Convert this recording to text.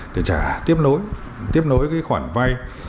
để trả tiếp nối tiếp nối khoản vay